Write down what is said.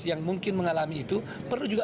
yang mungkin mengalami itu perlu juga